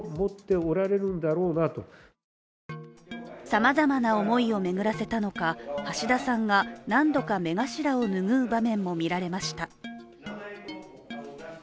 さまざまな思いを巡らせたのか、橋田さんが何度か目頭を拭う場面も見られました。